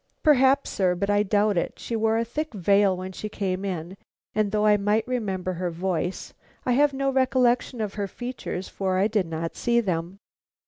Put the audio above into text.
"Perhaps, sir; but I doubt it. She wore a thick veil when she came in, and though I might remember her voice, I have no recollection of her features for I did not see them."